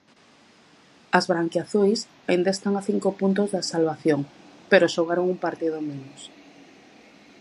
As branquiazuis aínda están a cinco puntos da salvación, pero xogaron un partido menos.